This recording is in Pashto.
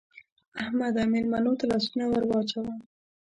احمده! مېلمنو ته لاسونه ور واچوه.